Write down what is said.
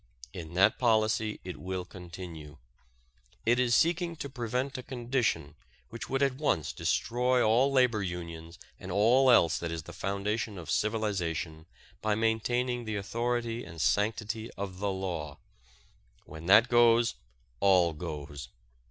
In that policy it will continue. It is seeking to prevent a condition which would at once destroy all labor unions and all else that is the foundation of civilization by maintaining the authority and sanctity of the law. When that goes all goes.